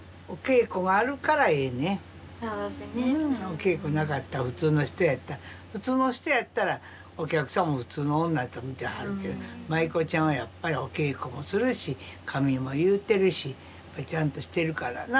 お稽古なかったら普通の人やったら普通の人やったらお客さんも普通の女と見てはるけど舞妓ちゃんはやっぱりお稽古もするし髪も結うてるしちゃんとしてるからな。